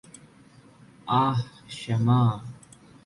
ആഹ് ക്ഷമ